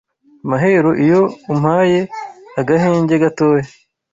Mahero iyo umpaye Agahenge gatoya